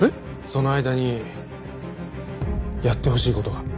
その間にやってほしい事が。